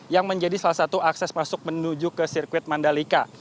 yang menjadi salah satu akses masuk menuju ke sirkuit mandalika